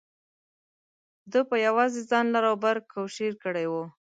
ده په یوازې ځان لر او بر کوشیر کړی و.